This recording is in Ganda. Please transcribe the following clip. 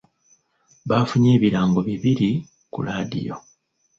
Bafunye ebirango bibiri ku laadiyo.